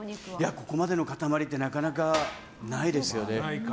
ここまでの塊ってなかなかないですよね。